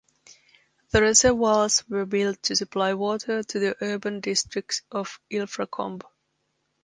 The reservoirs were built to supply water to the urban district of Ilfracombe.